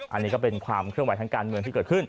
อันนี้ก็เป็นความเคลื่อนไหวทางการเมืองที่เกิดขึ้น